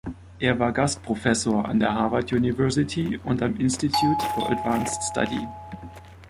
Er war Gastprofessor an der Harvard University und am Institute for Advanced Study.